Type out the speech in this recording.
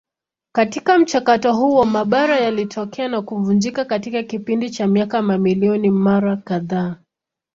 Katika mchakato huo mabara yalitokea na kuvunjika katika kipindi cha miaka mamilioni mara kadhaa.